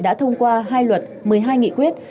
đã thông qua hai luật một mươi hai nghị quyết